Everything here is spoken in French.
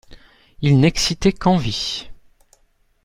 Ils n'excitaient qu'envie.